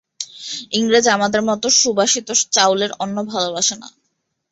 ইংরেজ আমাদের মত সুবাসিত চাউলের অন্ন ভালবাসে না।